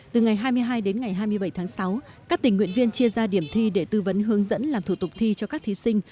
từ ngày hai mươi hai đến ngày hai mươi bảy tháng sáu các tình nguyện viên chia ra điểm thi để tư vấn hướng dẫn làm thủ tục thi cho các thí sinh